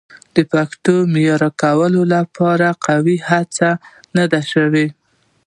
د پښتو د معیاري کولو لپاره قوي هڅې نه دي شوي.